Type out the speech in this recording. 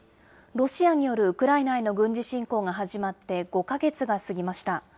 ロシアによるウクライナへの軍事侵攻が始まって５か月が過ぎました。